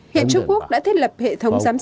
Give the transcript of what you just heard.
hiện trung quốc đã thiết lập hệ thống giải quyết